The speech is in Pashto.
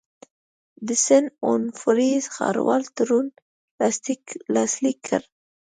د سن اونوفري ښاروال تړون لاسلیک کړ.